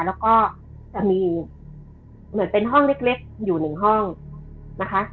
แล้วก็จะมีเหมือนเป็นห้องเล็กอยู่หนึ่งห้องนะคะ